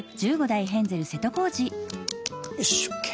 よしＯＫ。